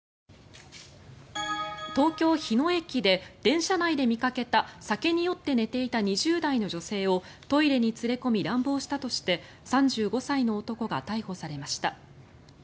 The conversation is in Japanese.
東京・日野駅で電車内で見かけた酒に酔って寝ていた２０代の女性をトイレに連れ込み乱暴したとして３５歳の男が逮捕されました。